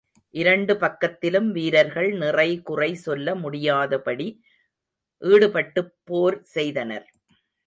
இரண்டு பக்கத்திலும் வீரர்கள் நிறைகுறை சொல்ல முடியாதபடி ஈடுபட்டுப் போர் செய்தனர்.